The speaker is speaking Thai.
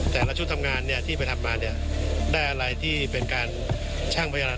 แต่ละชุดทำงานเนี่ยที่ไปทำงานเนี่ยได้อะไรที่เป็นการช่างพยาบาล